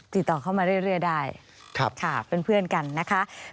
ติดต่อเข้ามาเรื่อยได้เพื่อนกันนะคะ